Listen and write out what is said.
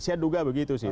saya duga begitu sih